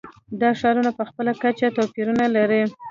دا ښارونه په خپله کچه توپیرونه لري.